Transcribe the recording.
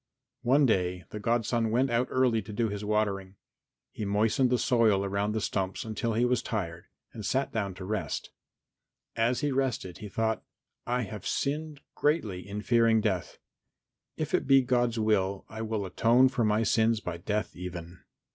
One day the godson went out early to do his watering. He moistened the soil around the stumps until he was tired and sat down to rest. As he rested he thought, "I have sinned greatly in fearing death. If it be God's will I will atone for my sins by death even."